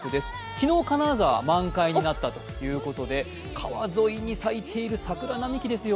昨日、金沢は満開になったということで川沿いに咲いている桜並木ですよ。